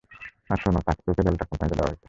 আর শোন, তোকে ডেল্টা কোম্পানিতে দেওয়া হয়েছে।